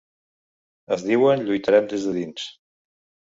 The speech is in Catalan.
Es diuen lluitarem des de dins.